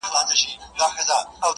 زما يتيـمي ارواح تـه غـــــوښـتې خـو ـ